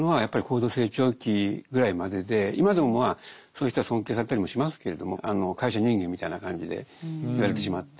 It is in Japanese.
今でもまあそういう人は尊敬されたりもしますけれども会社人間みたいな感じで言われてしまって。